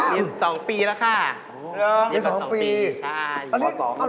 เรียน๒ปีแล้วค่ะเรียนแปลง๒ปีใช่พอต่อ